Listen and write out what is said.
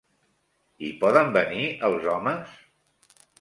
Hi poden venir els homes?